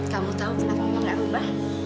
kamu tau kenapa mama gak berubah